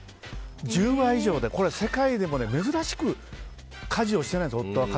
１０倍以上でこれは世界でも珍しく家事をしていないんですよ